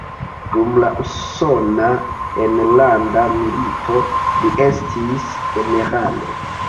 Dum la Usona Enlanda Milito li estis generalo.